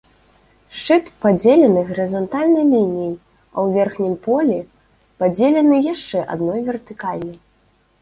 Шчыт падзелены гарызантальнай лініяй, а ў верхнім полі падзелены яшчэ адной вертыкальнай.